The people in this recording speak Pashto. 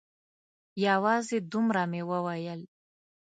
یوازې دومره مې وویل.